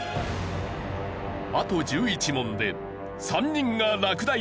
あと１１問で３人が落第となる。